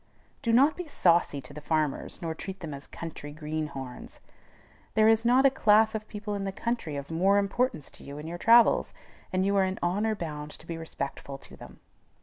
Do not be saucy to the farmers, nor treat them as "country greenhorns." There is not a class of people in the country of more importance to you in your travels; and you are in honor bound to be respectful to them.